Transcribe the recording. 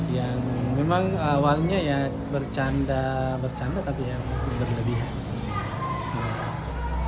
yang memang awalnya ya bercanda bercanda tapi yang berlebihan